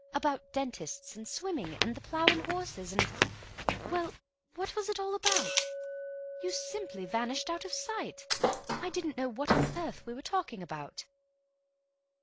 —about dentists and swimming and the 'Plough and Horses,' and—well, what was it all about? You simply vanished out of sight; I didn't know what on earth we were talking about."